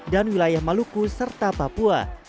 dan wilayah maluku serta papua